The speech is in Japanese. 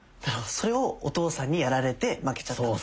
それをお父さんにやられて負けちゃったのか。